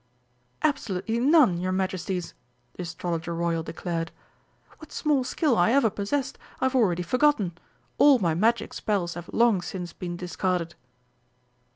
"Absolutely none, your Majesties!" the Astrologer Royal declared. "What small skill I ever possessed, I have already forgotten; all my magic spells have long since been discarded."